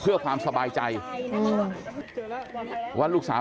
เพื่อนบ้านเจ้าหน้าที่อำรวจกู้ภัย